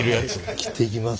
切っていきます。